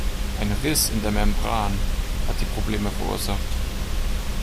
Ein Riss in der Membran hat die Probleme verursacht.